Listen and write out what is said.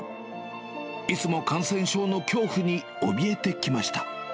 いつも感染症の恐怖におびえてきました。